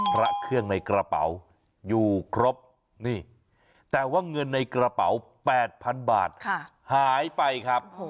พระเครื่องในกระเป๋าอยู่ครบนี่แต่ว่าเงินในกระเป๋า๘๐๐๐บาทหายไปครับ